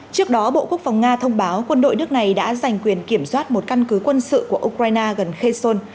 trước đó bộ quốc phòng nga thông báo quân đội nước này đã giành quyền kiểm soát một căn cứ quân sự của ukraine gần kheson